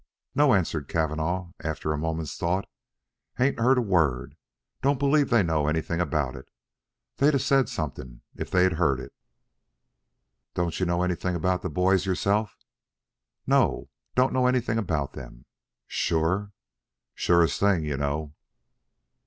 "No," answered Cavanagh after a moment's thought. "Hain't heard a word. Don't believe they know anything about it. They'd a said something if they'd heard of it." "Don't you know anything about the boys yourself?" "No, don't know nothing about them." "Sure?" "Surest thing, you know."